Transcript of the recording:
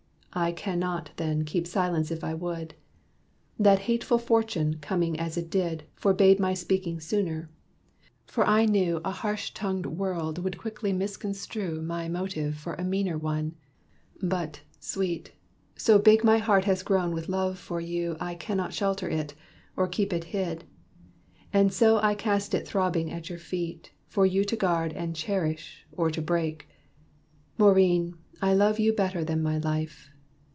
I can not, then, keep silence if I would. That hateful fortune, coming as it did, Forbade my speaking sooner; for I knew A harsh tongued world would quickly misconstrue My motive for a meaner one. But, sweet, So big my heart has grown with love for you I can not shelter it, or keep it hid. And so I cast it throbbing at your feet, For you to guard and cherish, or to break. Maurine, I love you better than my life.